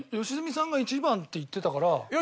良純さんが１番って言ってたから。